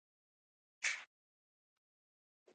لاسونه یې پر ټتر ونیول .